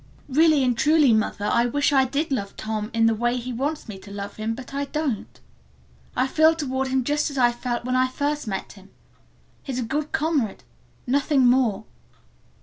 Really and truly, mother, I wish I did love Tom in the way he wants me to love him, but I don't. I feel toward him just as I felt when I first met him. He's a good comrade; nothing more."